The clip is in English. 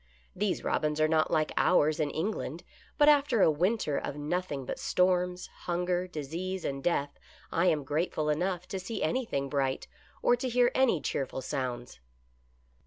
" These robins are not like ours in England, but after a winter of noth ing but storms, hunger, disease and death, I am grate ful enough to see anything bright, or to hear any cheerful sounds."